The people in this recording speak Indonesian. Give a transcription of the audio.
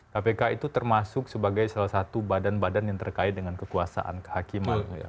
kpk itu termasuk sebagai salah satu badan badan yang terkait dengan kekuasaan kehakiman